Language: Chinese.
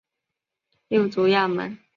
六足亚门。